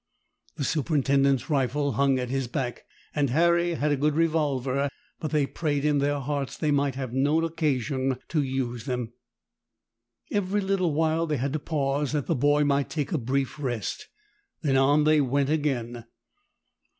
The superintendent's rifle hung at his back, and Harry had a good revolver; but they prayed in their hearts that they might have no occasion to use them. Every little while they had to pause that the boy might take a brief rest. Then on they went again.